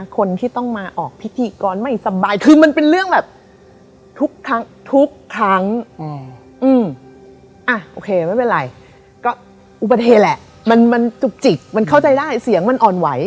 ก็ยากย้ายกลับไม่มีอะไร